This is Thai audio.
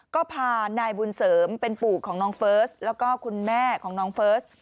ก็พานายบุญเสริมเป็นปู่ของน้องเฟิร์สแล้วก็คุณแม่ของน้องเฟิร์ส